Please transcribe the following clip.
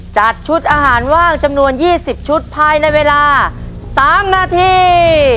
จัดชุดอาหารว่างจำนวน๒๐ชุดภายในเวลา๓นาที